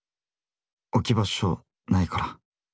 置き場所ないから。